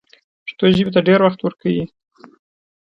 پښتو ژبې ته ډېر وخت ورکوي